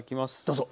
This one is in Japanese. どうぞ。